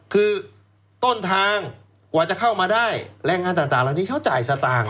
คือต้นทางกว่าจะเข้ามาได้แรงงานต่างเหล่านี้เขาจ่ายสตางค์